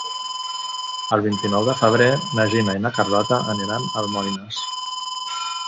El vint-i-nou de febrer na Gina i na Carlota aniran a Almoines.